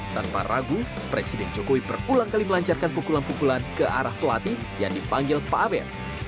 tanpa ragu presiden jokowi berulang kali melancarkan pukulan pukulan ke arah pelatih yang dipanggil pak abed